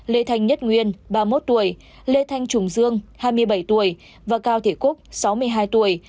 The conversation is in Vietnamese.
lê thanh nhất nguyên ba mươi một tuổi lê thanh trùng dương hai mươi bảy tuổi và cao thể cúc sáu mươi hai tuổi